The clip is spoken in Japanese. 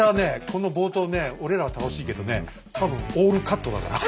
この冒頭ね俺らは楽しいけどね多分オールカットだから。